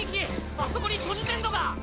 あそこにトジテンドが！